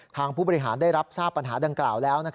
ผู้บริหารได้รับทราบปัญหาดังกล่าวแล้ว